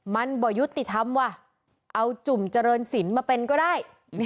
มันบ่ยุติธรรมว่ะเอาจุ่มเจริญศิลป์มาเป็นก็ได้